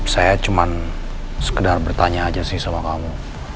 saya cuma sekedar bertanya aja sih sama kamu